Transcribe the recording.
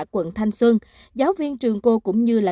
quận thanh xuân giáo viên trường cô cũng như là